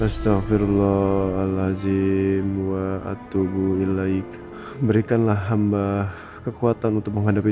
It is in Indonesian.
astagfirullahaladzim wa atubu ilaihik berikanlah hamba kekuatan untuk menghadapi